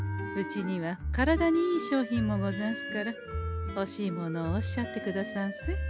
うちには体にいい商品もござんすからほしいものをおっしゃってくださんせ。